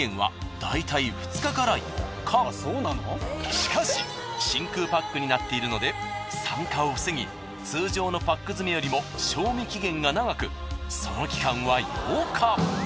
しかし真空パックになっているので酸化を防ぎ通常のパック詰めよりも賞味期限が長くその期間は８日。